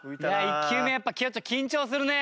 １球目やっぱ緊張するね。